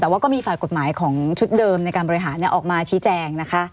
แต่ว่าก็มีฝ่ายกฎหมายของชุดเดิมในการบริหารออกมาชี้แจงนะคะ